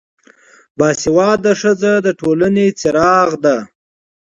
با سواده ښځه دټولنې څراغ ده